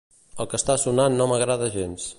El que està sonant no m'agrada gens.